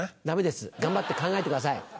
ダメです頑張って考えてください。